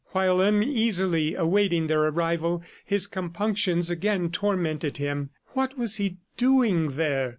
While uneasily awaiting their arrival his compunctions again tormented him. What was he doing there?